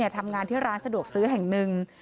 ทำงานที่ร้านสะดวกซื้อแห่งหนึ่ง